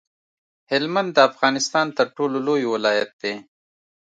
هلمند د افغانستان تر ټولو لوی ولایت دی